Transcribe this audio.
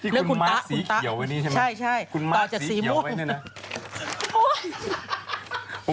เรื่องคุณต๊ะคุณต๊ะใช่ต่อจากสีม่วงที่คุณมาร์คสีเขียวไว้ด้วยนะ